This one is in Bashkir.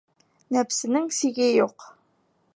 Нәпсенең сиге юҡ.